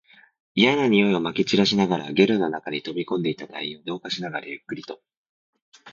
嫌な臭いを撒き散らしながら、ゲルの中に飛び込んでいった隊員を同化しながら、ゆっくりと